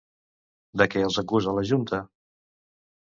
De què els acusa la junta?